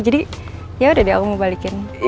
jadi yaudah deh aku mau balikin